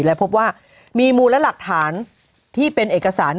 และพบว่ามีมูลและหลักฐานที่เป็นเอกสาร